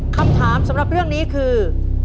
คำถามสำหรับเรื่องนี้คือ